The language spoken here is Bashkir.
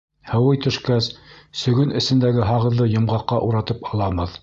Һыуый төшкәс, сөгөн эсендәге һағыҙҙы йомғаҡҡа уратып алабыҙ.